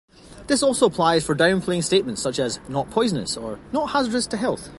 This also applies for downplaying statements such as “not poisonous” or “not hazardous to health”.